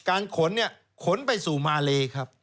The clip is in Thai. การขนนี่ขนไปสู่มาเลครับ